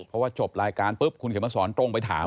เพราะว่าจบรายการปุ๊บคุณเขียนมาสอนตรงไปถาม